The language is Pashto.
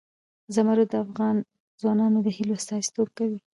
زمرد د افغان ځوانانو د هیلو استازیتوب کوي.